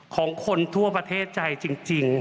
ของคนทั่วประเทศใจจริง